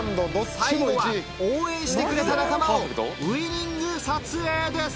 最後は応援してくれた仲間をウイニング撮影です！